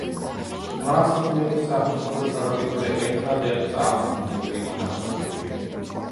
მას ინდოეთის აღმოსავლეთ სანაპიროზე ერთადერთს აქვს ბუნებრივი ნავსადგური.